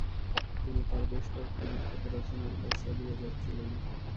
তিনি তাঁর বেশ কয়েকটি বিখ্যাত রচনার কাজ চালিয়ে যাচ্ছিলেন।